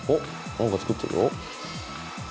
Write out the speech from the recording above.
なんか作ってるよ。